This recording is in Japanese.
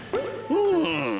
うん。